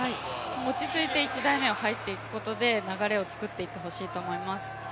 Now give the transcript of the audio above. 落ち着いて１台目を入っていくことで流れを作ってほしいと思います。